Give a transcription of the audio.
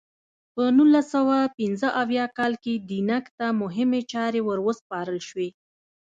په نولس سوه پنځه اویا کال کې دینګ ته مهمې چارې ور وسپارل شوې.